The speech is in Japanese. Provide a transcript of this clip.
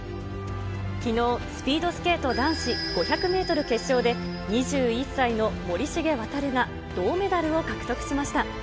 きのう、スピードスケート男子５００メートル決勝で、２１歳の森重航が銅メダルを獲得しました。